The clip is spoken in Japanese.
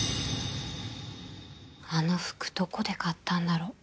あの服どこで買ったんだろう。